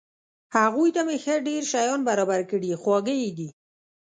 هغوی ته مې ښه ډېر شیان برابر کړي، خواږه یې دي.